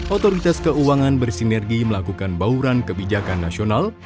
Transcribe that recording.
otoritas keuangan bersinergi melakukan bauran kebijakan nasional